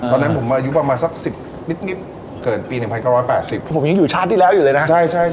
ตอนนั้นผมอายุประมาณสัก๑๐นิดเกิดปี๑๙๘๐